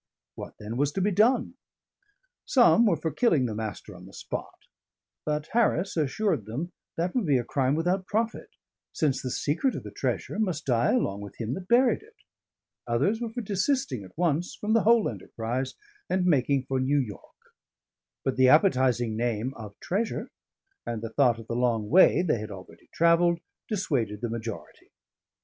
What, then, was to be done? Some were for killing the Master on the spot; but Harris assured them that would be a crime without profit, since the secret of the treasure must die along with him that buried it. Others were for desisting at once from the whole enterprise and making for New York; but the appetising name of treasure, and the thought of the long way they had already travelled, dissuaded the majority.